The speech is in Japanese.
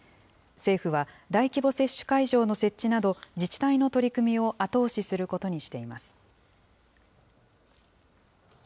政府は大規模接種会場の設置など、自治体の取り組みを後押しすることにしています。